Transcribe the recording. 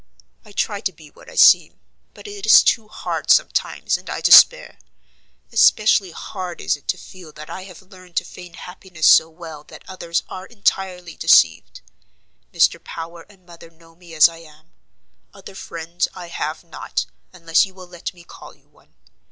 "I try to be what I seem, but it is too hard sometimes and I despair. Especially hard is it to feel that I have learned to feign happiness so well that others are entirely deceived. Mr. Power and mother know me as I am: other friends I have not, unless you will let me call you one.